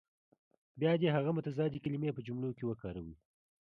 بیا دې هغه متضادې کلمې په جملو کې وکاروي.